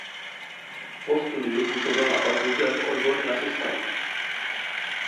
Po studiu působil na fakultě jako odborný asistent.